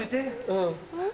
うん。